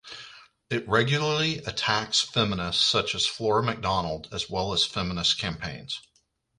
It regularly attacks feminists such as Flora MacDonald as well as feminist campaigns.